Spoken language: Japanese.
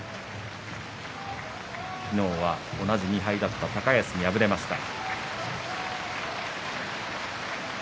昨日は同じ２敗だった高安に敗れました。